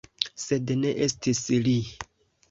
Sed, ne estis li.